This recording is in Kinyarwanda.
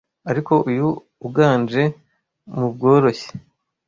ariko uyu uganje mubworoshye